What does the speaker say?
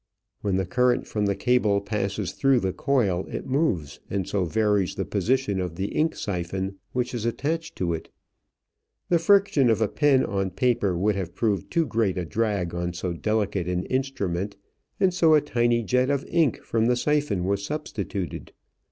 When the current from the cable passes through the coil it moves, and so varies the position of the ink siphon which is attached to it. The friction of a pen on paper would have proved too great a drag on so delicate an instrument, and so a tiny jet of ink from the siphon was substituted.